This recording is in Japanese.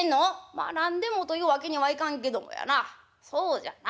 「まあ何でもというわけにはいかんけどもやなそうじゃな